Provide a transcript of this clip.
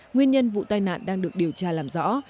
nguyên nhân vụ tai nạn đang được điều tra làm rõ